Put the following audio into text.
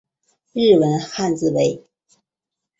日文汉字为。